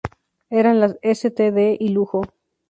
Eran las "Std" y "Lujo".